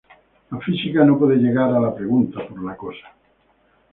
La física no puede llegar a la pregunta por la cosa.